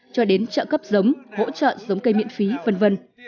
cho đến trợ cấp giống hỗ trợ giống cây miễn phí v v